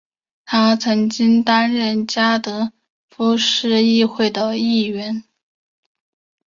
他曾经担任加的夫市议会的议员。